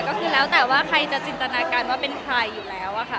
ก็คือแล้วแต่ว่าใครจะจินตนาการว่าเป็นใครอยู่แล้วอะค่ะ